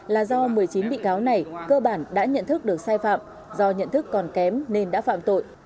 là do một mươi chín bị cáo này cơ bản đã nhận thức được sai phạm do nhận thức còn kém nên đã phạm tội